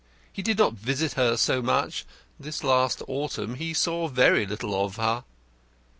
He did not visit her so much. This last autumn he saw very little of her."